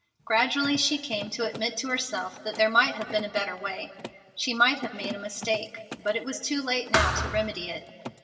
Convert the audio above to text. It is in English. Gradually she came to admit to herself that there might have been a better way. She might have made a mistake. But it was too late now to remedy it.